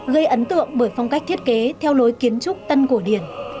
gây ấn tượng bởi phong cách thiết kế theo lối kiến trúc tân cổ điển